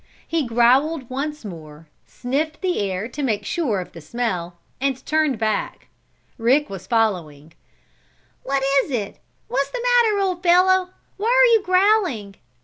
He growled once more, sniffed the air to make sure of the smell, and turned back. Rick was following. "What is it? What's the matter, old fellow? Why are you growling?"